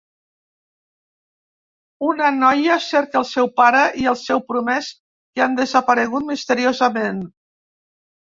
Una noia cerca el seu pare i el seu promès que han desaparegut misteriosament.